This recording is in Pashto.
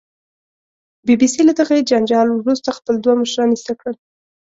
بي بي سي له دغې جنجال وروسته خپل دوه مشران ایسته کړل